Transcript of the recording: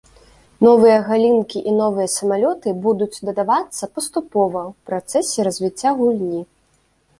Новыя галінкі і новыя самалёты будуць дадавацца паступова, у працэсе развіцця гульні.